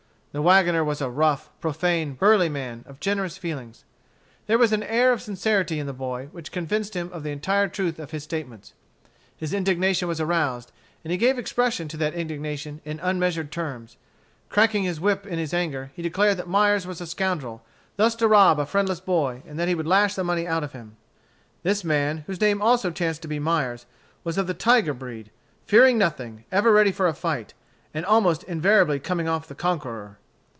The wagoner was a rough, profane, burly man, of generous feelings. There was an air of sincerity in the boy, which convinced him of the entire truth of his statements. His indignation was aroused, and he gave expression to that indignation in unmeasured terms. Cracking his whip in his anger, he declared that Myers was a scoundrel, thus to rob a friendless boy, and that he would lash the money out of him. This man, whose name also chanced to be Myers, was of the tiger breed, fearing nothing, ever ready for a fight, and almost invariably coming off conqueror.